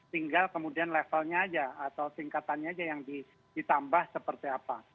tinggal kemudian levelnya aja atau singkatannya aja yang ditambah seperti apa